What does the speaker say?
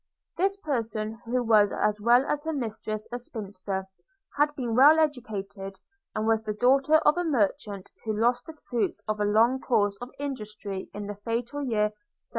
– This person, who was as well as her mistress a spinster, had been well educated; and was the daughter of a merchant who lost the fruits of a long course of industry in the fatal year 1720.